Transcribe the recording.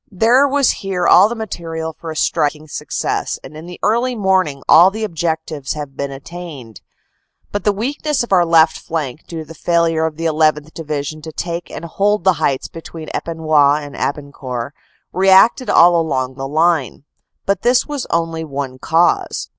There was here all the material for a striking success, and in the early morning all the objectives had been attained. But the weakness of our left flank, due to failure of the 1 1th. Division to take and hold the heights between Epinoy and Abancourt, reacted all along the line. But this was only one cause.